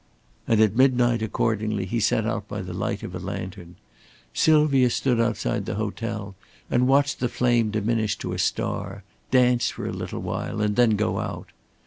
And at midnight accordingly he set out by the light of a lantern. Sylvia stood outside the hotel and watched the flame diminish to a star, dance for a little while, and then go out.